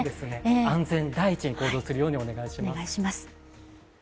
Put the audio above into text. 安全第一に行動するようにお願いします。